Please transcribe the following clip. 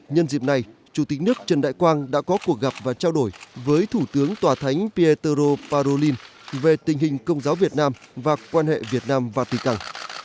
nhân dịp này chủ tịch nước trần đại quang đã có cuộc gặp và trao đổi với thủ tướng tòa thánh peter parolin về tình hình công giáo việt nam và quan hệ việt nam vatican